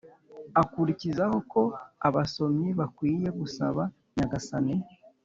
akurikizaho ko abasomyi bakwiye gusaba nyagasani